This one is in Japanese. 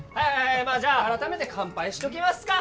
まあじゃあ改めて乾杯しときますか。